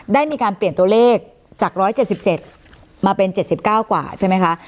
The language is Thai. ได้มีการเปลี่ยนตัวเลขจากร้อยเจ็ดสิบเจ็ดมาเป็นเจ็ดสิบเก้ากว่าใช่ไหมคะ